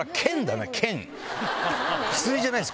薬じゃないです